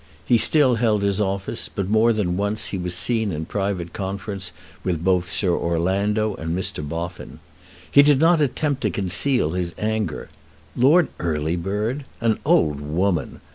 He still held his office, but more than once he was seen in private conference with both Sir Orlando and Mr. Boffin. He did not attempt to conceal his anger. Lord Earlybird! An old woman!